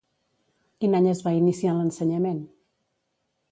Quin any es va iniciar en l'ensenyament?